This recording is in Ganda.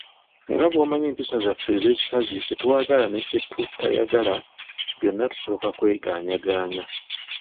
Nga bw'omanyi empisa zaffe ez'ekikazi kye twagala ne kye tutayagala byonna tusooka kwegaanyagaanya.